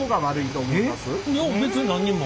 いや別に何にも。